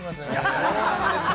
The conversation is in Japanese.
そうなんですよ。